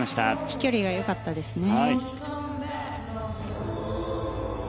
飛距離が良かったですね。